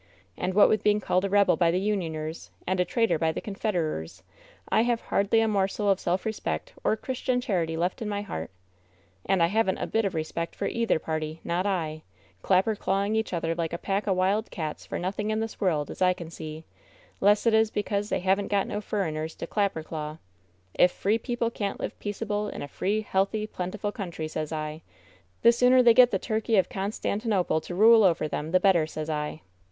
And what with being called a rebel by the Unioners and a traitor by the Confederers, I have hardly a morsel of self respect or Christian charity left in my heart. And I haven't a bit of respect for either party — ^not I ! Clapper clawing each other like a pack o' wild cats for nothing in this world, as I can see, 'less it is because they haven't got WHEN SHADOWS DIE 188 no furriners to clapper claw. If free people can't live peaceable in a free, healthy, plentiful country, sez I, the sooner they get the Turkey of Constantinople to rule over them the better, sez I.'